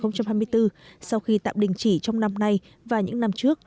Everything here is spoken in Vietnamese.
năm hai nghìn hai mươi bốn sau khi tạm đình chỉ trong năm nay và những năm trước